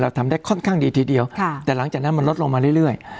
ทำได้ค่อนข้างดีทีเดียวแต่หลังจากนั้นมันลดลงมาเรื่อย